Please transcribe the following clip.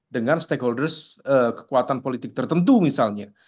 dengan stakeholders kekuatan politik tertentu misalnya